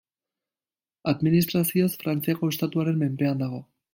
Administrazioz Frantziako estatuaren menpean dago.